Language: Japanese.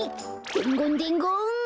でんごんでんごん！